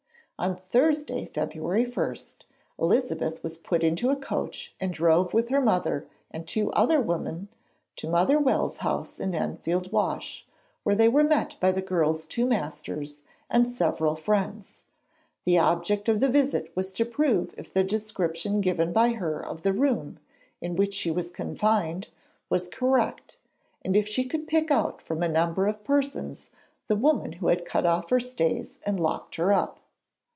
On Thursday February 1, Elizabeth was put into a coach and drove with her mother and two other women to Mother Wells' house in Enfield Wash, where they were met by the girl's two masters and several friends. The object of the visit was to prove if the description given by her of the room, in which she was confined, was correct, and if she could pick out from a number of persons the woman who had cut off her stays and locked her up.